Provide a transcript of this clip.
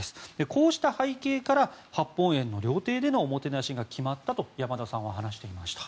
こうした背景から八芳園の料亭でのおもてなしが決まったと山田さんは話していました。